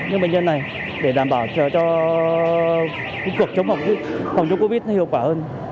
những bệnh nhân này để đảm bảo cho cuộc chống covid hiệu quả hơn